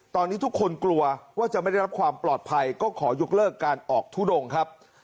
ตอนนี้ทุกคนกลัวว่าจะไม่ได้รับความปลอดภัยก็ขอยกเลิกการออกทุดงครับ